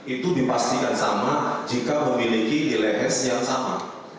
itu dipastikan sama jika memiliki nilai hash yang sama